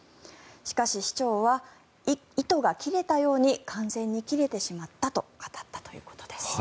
しかし、市長は糸が切れたように完全にキレてしまったと語ったということです。